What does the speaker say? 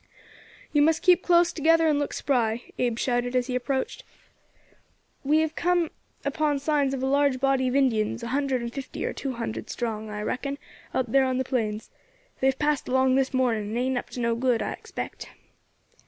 "You must keep close together and look spry," Abe shouted as he approached; "we have come upon signs of a large body of Indians, a hundred and fifty or two hundred strong, I reckon, out there on the plains. They have passed along this morning, and ain't up to no good, I expect."